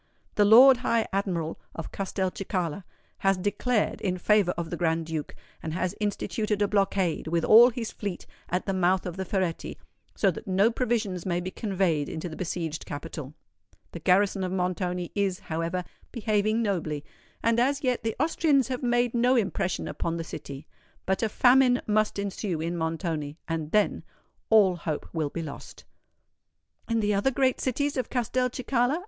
The Lord High Admiral of Castelcicala has declared in favour of the Grand Duke, and has instituted a blockade, with all his fleet, at the mouth of the Ferretti, so that no provisions may be conveyed into the besieged capital. The garrison of Montoni is, however, behaving nobly; and as yet the Austrians have made no impression upon the city. But a famine must ensue in Montoni;—and then, all hope will be lost!" "And the other great cities of Castelcicala?"